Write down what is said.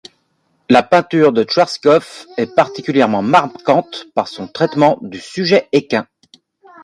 La peinture de Swertschkoff est particulièrement marquante par son traitement du sujet équin.